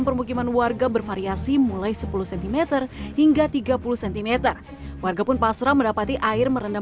permukiman warga bervariasi mulai sepuluh cm hingga tiga puluh cm warga pun pasrah mendapati air merendam